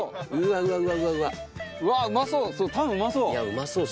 うまそう。